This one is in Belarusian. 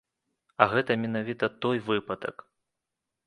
А гэта менавіта той выпадак.